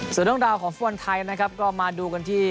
ส่วนเรื่องราวของฟุตบอลไทยนะครับก็มาดูกันที่